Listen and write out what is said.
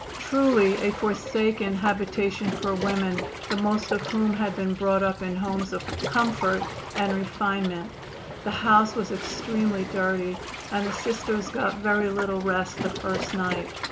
Truly, a forsaken habitation for women, the most of whom had been brought up in homes of comfort and refinement. The house was extremely dirty, and the Sisters got very little rest the first night.